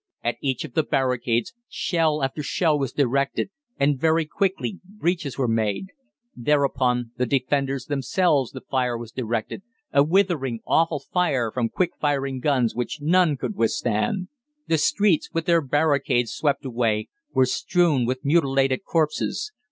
At each of the barricades shell after shell was directed, and very quickly breaches were made. Then upon the defenders themselves the fire was directed a withering, awful fire from quick firing guns which none could withstand. The streets, with their barricades swept away, were strewn with mutilated corpses.